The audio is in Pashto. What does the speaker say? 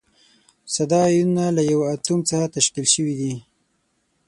ساده ایونونه له یوه اتوم څخه تشکیل شوي دي.